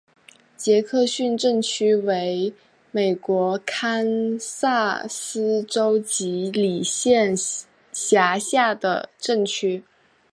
杰克逊镇区为美国堪萨斯州吉里县辖下的镇区。